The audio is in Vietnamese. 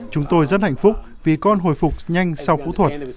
chúng tôi rất hạnh phúc vì con hồi phục nhanh sau phẫu thuật